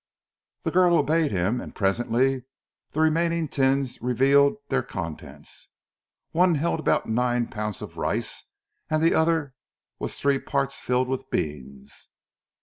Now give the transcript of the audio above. The girl obeyed him, and presently the remaining tins revealed their contents. One held about nine pounds of rice and the other was three parts filled with beans.